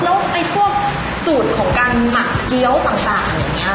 แล้วไอ้พวกสูตรของการหมักเกี้ยวต่างอย่างนี้